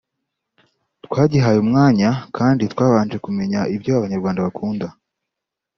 twagihaye umwanya kandi twabanje kumenya ibyo Abanyarwanda bakunda